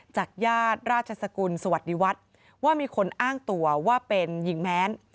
จากญาติราชสกุลสวัสดีวัฒน์ว่ามีคนอ้างตัวว่าเป็นหญิงแม้น